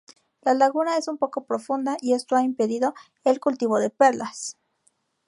La laguna es poco profunda y esto ha impedido el cultivo de perlas.